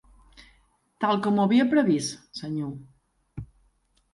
Tal com ho havia previst, senyor.